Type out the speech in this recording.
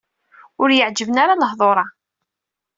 Ur yi-ɛǧiben ara lehdur-a.